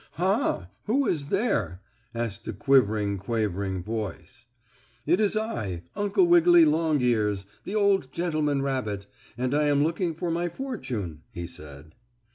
"Ha! Who is there?" asked a quivering quavering voice. "It is I Uncle Wiggily Longears, the old gentleman rabbit, and I am looking for my fortune," he said.